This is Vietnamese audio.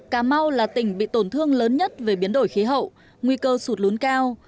cà mau là tỉnh bị tổn thương lớn nhất về biến đổi khí hậu nguy cơ sụt lún cao